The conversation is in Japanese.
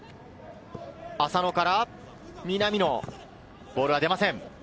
浅野から南野、ボールは出ません。